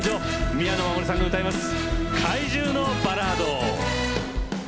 宮野真守さんが歌います。